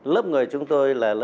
lớp người chúng tôi là lớp người